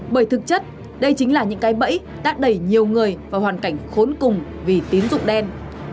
bởi thực chất đây chính là những cái bẫy tác đẩy nhiều người vào hoàn cảnh khốn cùng vì tín dụng đen